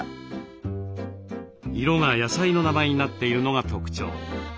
色が野菜の名前になっているのが特徴。